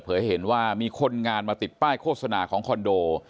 เห็นว่ามีคนงานมาติดป้ายโฆษณาของคอนโด